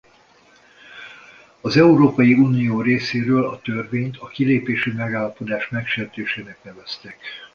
Az Európai Unió részéről a törvényt a kilépési megállapodás egésrtésének nevezték.